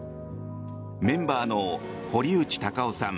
メンバーの堀内孝雄さん